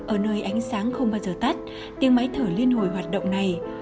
ở nơi ánh sáng không bao giờ tắt tiếng máy thở liên hồi hoạt động này